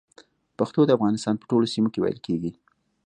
پښتو د افغانستان په ټولو سيمو کې ویل کېږي